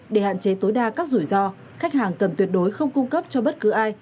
để hạn chế tối đa các rủi ro khách hàng cần tuyệt đối không cung cấp cho bất cứ ai